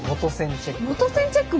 元栓チェック。